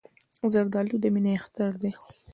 زردالو د مینې اختر دی.